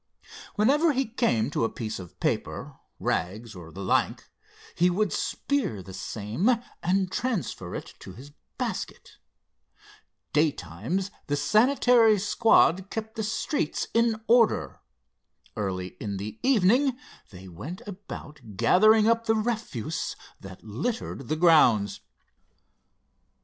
Whenever he came to a piece of paper, rags, or the like, he would spear the same, and transfer it to his basket. Daytimes the sanitary squad kept the streets in order. Early in the evening they went about gathering up the refuse that littered the grounds.